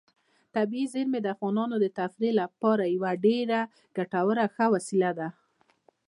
طبیعي زیرمې د افغانانو د تفریح لپاره یوه ډېره ګټوره او ښه وسیله ده.